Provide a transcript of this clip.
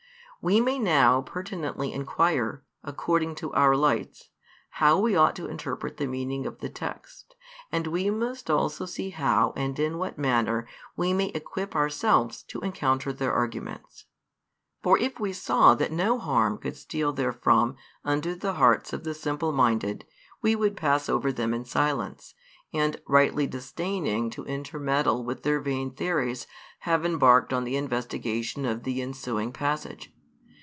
We may now pertinently inquire, according to our lights, how we ought to interpret the meaning of the text, and we must also see how and in what manner we may equip ourselves to encounter their arguments. For if we saw that no harm could steal therefrom unto the hearts of the simple minded, we would pass them over in silence, and, rightly disdaining to intermeddle with their vain theories, have embarked on the investigation of the ensuing passage.